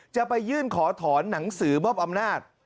จะไปยื่นขอถอนหนังสือมอบอำนาจ